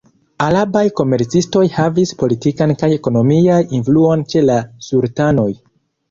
Arabaj komercistoj havis politikan kaj ekonomian influon ĉe la sultanoj.